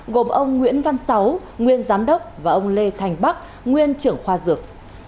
gồm ông nguyễn văn sáu nguyên giám đốc và ông lê thành bắc nguyên trưởng khoa dược